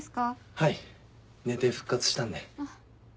はい寝て復活したんで。